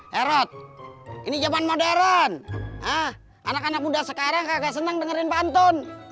herot ini zaman modern anak anak muda sekarang kagak senang dengerin pantun